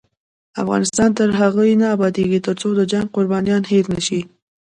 افغانستان تر هغو نه ابادیږي، ترڅو د جنګ قربانیان هیر نشي.